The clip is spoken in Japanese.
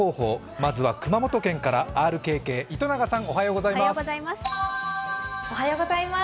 まずは熊本県からＲＫＫ・糸永さんおはようございます。